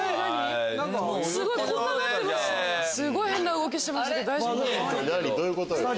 すごい変な動きしてましたけど。